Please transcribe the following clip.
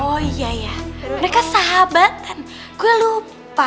oh iya ya mereka sahabatan gue lupa